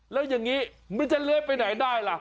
แล้วอย่างนี้มันจะเลื้อยไปไหนได้ล่ะ